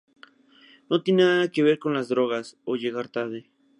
No tiene nada que ver con las "drogas" o "llegar tarde".